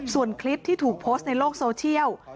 ส่วนคลิปที่ถูกโพสต์ในโลกโซเชียล